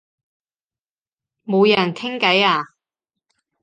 冇人傾偈啊